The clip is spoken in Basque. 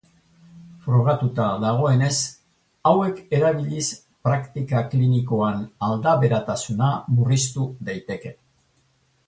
Frogatuta dagoenez, hauek erabiliz praktika klinikoan aldaberatasuna murriztu daiteke.